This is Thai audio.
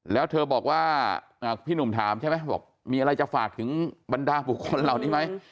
แล้วเธอบอกว่าพี่หนุ่มถามใช่ไหมบอกมีอะไรจะฝากถึงบรรดาบุคคลเหล่านี้ไหม